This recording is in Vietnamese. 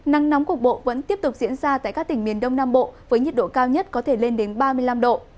nắng nóng cục bộ vẫn tiếp tục diễn ra tại các tỉnh miền đông nam bộ với nhiệt độ cao nhất có thể lên đến ba mươi năm độ